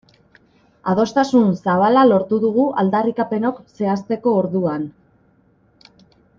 Adostasun zabala lortu dugu aldarrikapenok zehazteko orduan.